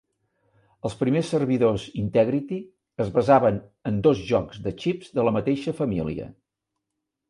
Els primers servidors Integrity es basaven en dos jocs de xips de la mateixa família.